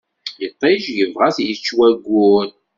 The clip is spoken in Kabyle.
Iṭij yebɣa ad t-yečč wayyur.